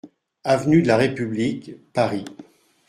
AV DE LA REPUBLIQUE, Paris